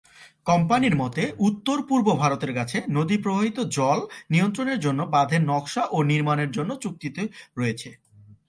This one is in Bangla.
কোম্পানির মতে, উত্তর-পূর্ব ভারতের কাছে নদী প্রবাহিত জল নিয়ন্ত্রণের জন্য বাঁধের নকশা ও নির্মাণের জন্য চুক্তিটি রয়েছে।